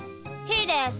ひーです。